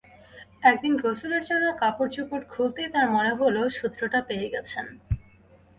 একদিন গোসলের জন্য কাপড়চোপড় খুলতেই তাঁর মনে হলো, সূত্রটা পেয়ে গেছেন।